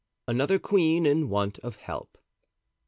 Another Queen in Want of Help.